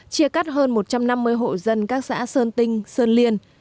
chia cắt hơn một trăm năm mươi hộ dân các xã sơn tinh sơn liên